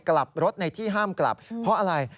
กลับรถในที่ห้ามกลับเพราะอะไร